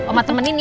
oma temenin ya